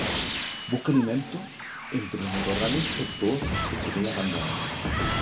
Busca alimento entre los matorrales o el sotobosque en pequeñas bandadas.